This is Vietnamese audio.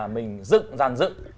mình dựng dàn dựng